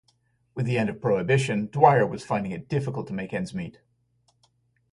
With the end of Prohibition, Dwyer was finding it difficult to make ends meet.